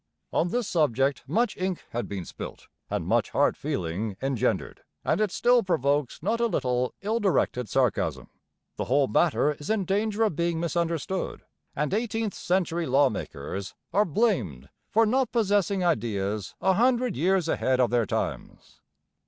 On this subject much ink had been spilt and much hard feeling engendered; and it still provokes not a little ill directed sarcasm. The whole matter is in danger of being misunderstood, and eighteenth century lawmakers are blamed for not possessing ideas a hundred years ahead of their times.